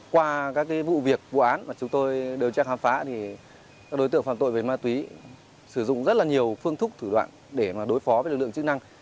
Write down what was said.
qua các vụ việc vụ án mà chúng tôi đều chắc khám phá thì các đối tượng phạm tội về ma túy sử dụng rất là nhiều phương thức thủ đoạn để đối phó với lực lượng chức năng